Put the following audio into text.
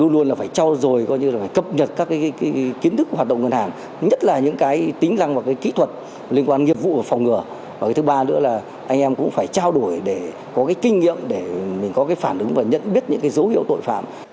luôn là phải trao dồi coi như là phải cập nhật các kiến thức hoạt động ngân hàng nhất là những cái tính năng và cái kỹ thuật liên quan nghiệp vụ phòng ngừa và cái thứ ba nữa là anh em cũng phải trao đổi để có cái kinh nghiệm để mình có cái phản ứng và nhận biết những cái dấu hiệu tội phạm